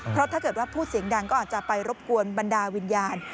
เพราะถ้าเกิดว่าพูดเสียงดังก็อาจจะไปรบกวนบรรดาวิญญาณ